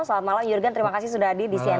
salam malam yurgen terima kasih sudah hadir di cnn